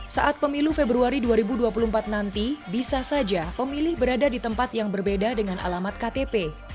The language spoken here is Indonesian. saat pemilu februari dua ribu dua puluh empat nanti bisa saja pemilih berada di tempat yang berbeda dengan alamat ktp